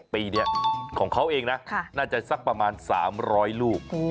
ปีนี้ของเขาเองนะน่าจะสักประมาณ๓๐๐ลูก